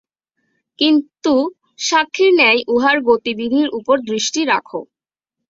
কিন্তু সাক্ষীর ন্যায় উহার গতিবিধির উপর দৃষ্টি রাখ।